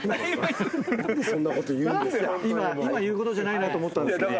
今言うことじゃないなと思ったんですけど。